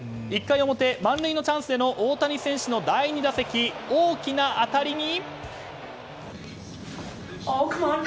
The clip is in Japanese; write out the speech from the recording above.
満塁のチャンスでの大谷選手の第２打席大きな当たりに。